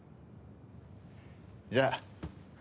じゃあ。